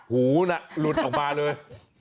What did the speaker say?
หูน่ะหลุดออกมาเลย